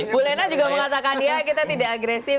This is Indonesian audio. bulena juga mengatakan ya kita tidak agresif